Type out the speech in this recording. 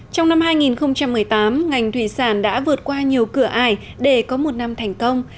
trong năm hai nghìn một mươi tám ngành thủy sản đã vượt qua nhiều cửa ải để có một năm thành công